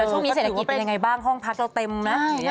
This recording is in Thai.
ช่วงนี้เศรษฐกิจเป็นยังไงบ้างห้องพักเราเต็มนะ